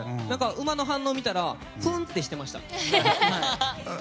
馬の反応見たらプンってしてました。